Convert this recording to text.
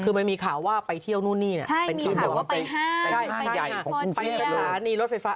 คือมันมีข่าวว่าไปเที่ยวนู่นนี่